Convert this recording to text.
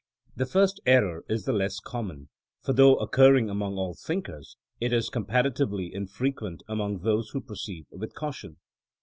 The first error is the less common, for though occurring among all thinkers, it is compara tively infrequent among those who proceed with caution.